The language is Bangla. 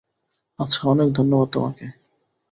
আচ্ছা, অনেক ধন্যবাদ তোমাকে।